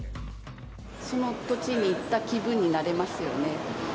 その土地に行った気分になれ